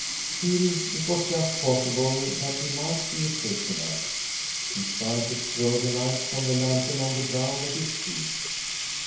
Still it was just possible that he might be a prisoner. He tried to throw the light from the lantern on the ground at his feet.